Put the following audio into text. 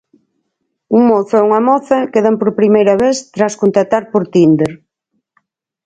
Un mozo e unha moza quedan por primeira vez tras contactar por Tinder.